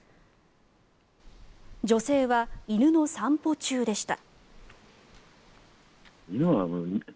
女性は犬の散歩中でした。